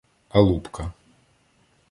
Алупка.